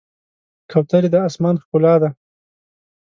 کوترې د آسمان ښکلا ده.